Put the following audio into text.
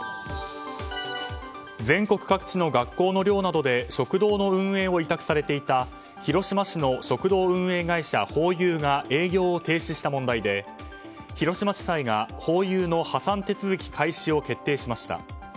全国各地の学校の寮などで食堂の運営を委託されていた広島市の食堂運営会社ホーユーが営業を停止した問題で広島地裁がホーユーの破産手続き開始を決定しました。